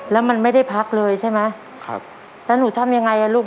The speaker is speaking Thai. แล้วมันไม่ได้พักเลยใช่ไหมครับแล้วหนูทำยังไงอ่ะลูก